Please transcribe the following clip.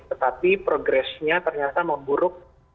tetapi progresnya ternyata memburuk